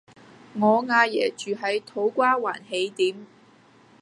我阿爺住喺土瓜灣喜點